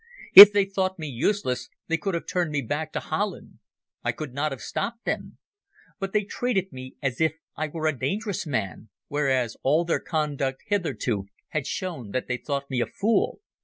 If they thought me useless they could have turned me back to Holland. I could not have stopped them. But they treated me as if I were a dangerous man, whereas all their conduct hitherto had shown that they thought me a fool.